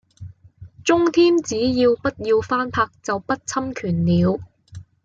中天只要不要翻拍就不侵權了